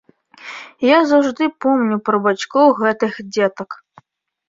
І я заўжды помню пра бацькоў гэтых дзетак.